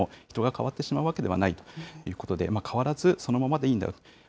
がんになっても、人が変わってしまうわけではないということで、変わらずそのままでいいんだよ。